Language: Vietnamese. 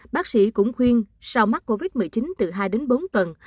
bác sĩ cũng khuyên sau mắc covid một mươi chín từ hai đến bốn tuần